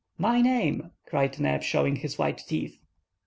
"My name!" cried Neb, showing his white teeth.